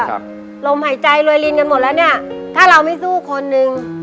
ลมหายใจรวยลินกันหมดแล้วเนี้ยถ้าเราไม่สู้คนนึง